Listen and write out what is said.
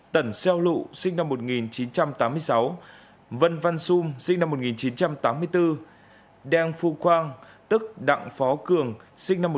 tần xeo lụ sinh năm một nghìn chín trăm tám mươi sáu vân văn xung sinh năm một nghìn chín trăm tám mươi bốn đang phu quang tức đặng phó cường sinh năm một nghìn chín trăm tám mươi